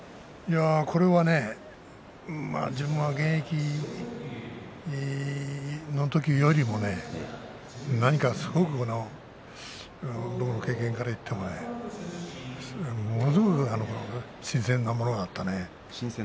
これは自分が現役の時よりも何かすごく僕の経験からいってもものすごく新鮮なものがあったね。